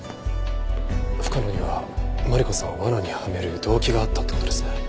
深野にはマリコさんを罠にはめる動機があったって事ですね。